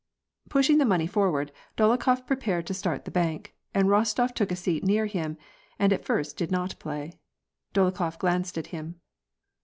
Pushing the money forward, Dolokhof prepared to start the bank. Bostof took a seat near him, and at first did not play. Dolokhof glanced at him.